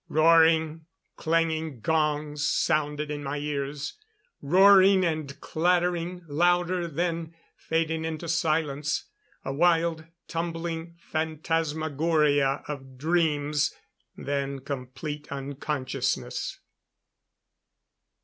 Roaring, clanging gongs sounded in my ears roaring and clattering louder, then fading into silence. A wild, tumbling phantasmagoria of dreams. Then complete unconsciousness.